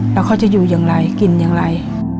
แล้วเขาจะอยู่อย่างไรกินอย่างไร